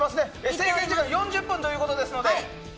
制限時間４０分ということですので。